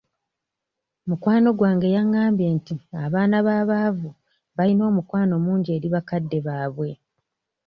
Mukwano gwange yangambye nti abaana b'abaavu bayina omukwano mungi eri bakadde baabwe.